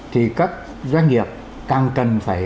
thì các doanh nghiệp càng cần phải